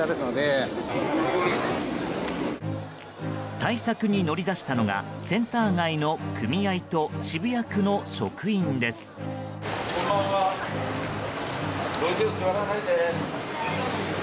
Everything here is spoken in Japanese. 対策に乗り出したのがセンター街の組合と渋谷区の職員です。